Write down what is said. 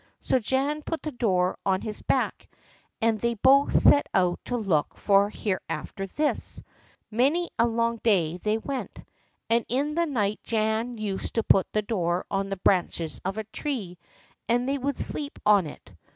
So Jan put the door on his back, and they both set out to look for Hereafterthis. Many a long day they went, and in the night Jan used to put the door on the branches of a tree, and they would sleep on it.